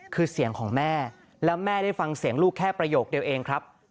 คือเสียงของแม่แล้วแม่ได้ฟังเสียงลูกแค่ประโยคเดียวเองครับ